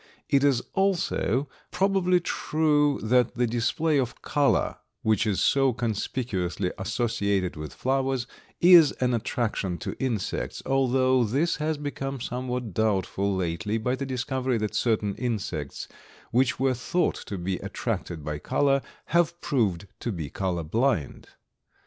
It is also probably true that the display of color, which is so conspicuously associated with flowers, is an attraction to insects, although this has become somewhat doubtful lately by the discovery that certain insects which were thought to be attracted by color have proved to be color blind.